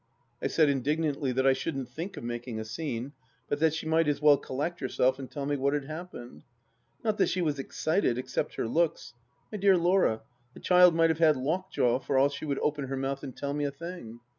I said indignantly that I shouldn't think of making a scene, but that she might as well collect herself and tell me what had happened. Not that she was excited, except her looks. My dear Laura, the child might have had lockjaw for all she would open her mouth and tell me a thing.